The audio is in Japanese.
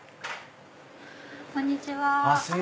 こんにちは。